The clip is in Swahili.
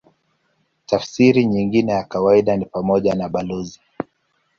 Tafsiri nyingine ya kawaida ni pamoja na balozi.